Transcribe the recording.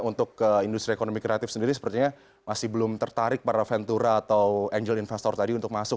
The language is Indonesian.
untuk industri ekonomi kreatif sendiri sepertinya masih belum tertarik para ventura atau angel investor tadi untuk masuk